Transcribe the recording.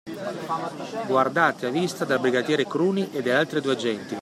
Guardata a vista dal brigadiere Cruni e da altri due agenti.